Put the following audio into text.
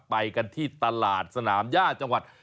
ไปกันที่ตลาดสนามย่าจังหวัด